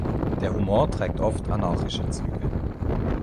Der Humor trägt oft anarchische Züge.